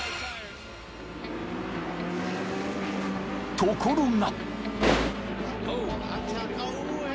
［ところが］